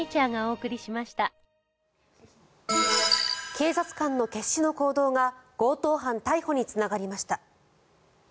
警察官の決死の行動が強盗犯逮捕につながりました。